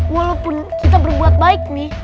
walaupun kita berbuat baik nih